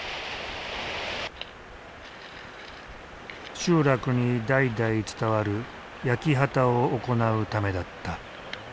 集落に代々伝わる焼き畑を行うためだった。